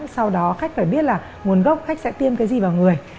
sau đó khách phải biết là nguồn gốc khách sẽ tiêm cái gì vào người